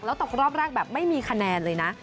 แล้วตกรอบแรกแบบไม่มีคะแนนเลยนะ